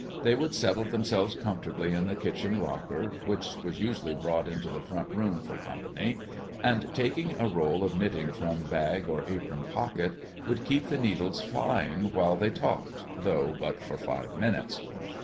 They would settle themselves comfortably in the kitchen rocker, which was usually brought into the front room for company, and, taking a roll of knitting from bag or apron pocket, would keep the needles flying while they talked, though but for five minutes.